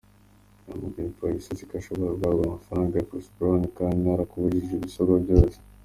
Yahamagaye polisi azi ko ashobora guhabwa amafaranga ya Chris Brown, kandi narakurikije ibisabwa byose".